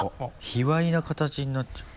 卑わいな形になっちゃう。